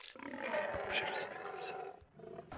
Pak přirozeně klesá.